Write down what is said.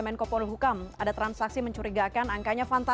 selamat malam mbak lalola